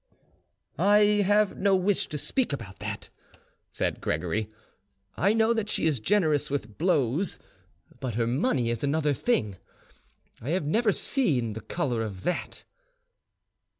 "I have no wish to speak about that," said Gregory. "I know that she is generous with blows, but her money is another thing. I have never seen the colour of that."